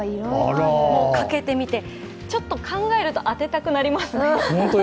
かけてみてちょっと考えると当てたくなりますね。